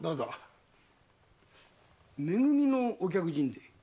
め組のお客人で？